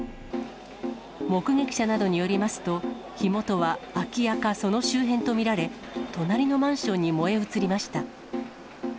目撃者などによりますと、火元は空き家かその周辺と見られ、隣のマンションに燃え移りました。